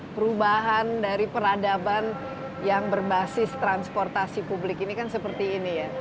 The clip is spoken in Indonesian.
perubahan dari peradaban yang berbasis transportasi publik ini kan seperti ini ya